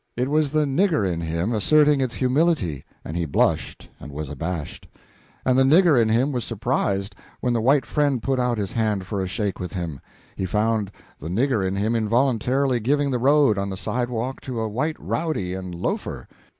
It was the "nigger" in him asserting its humility, and he blushed and was abashed. And the "nigger" in him was surprised when the white friend put out his hand for a shake with him. He found the "nigger" in him involuntarily giving the road, on the sidewalk, to a white rowdy and loafer.